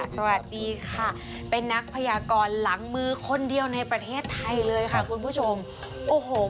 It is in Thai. สวัสดีค่ะเป็นนักพยากรหลังมือคนเดียวในประเทศไทยเลยค่ะคุณผู้ชมโอ้โห